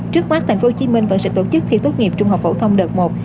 trước mắt thành phố hồ chí minh vẫn sẽ tổ chức thi tốt nghiệp trung học phổ thông đợt một